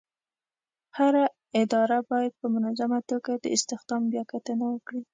هره اداره باید په منظمه توګه د استخدام بیاکتنه وکړي.